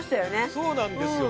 そうなんですよ